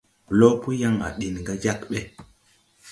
Blo po yaŋ à deŋ ga Djakbé.